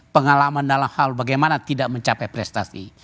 pengalaman dalam hal bagaimana tidak mencapai prestasi